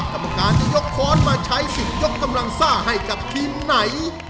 กรรมการจะยกค้อนมาใช้สิทธิ์ยกกำลังซ่าให้กับทีมไหน